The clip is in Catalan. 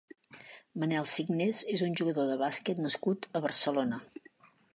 Manel Signes és un jugador de bàsquet nascut a Barcelona.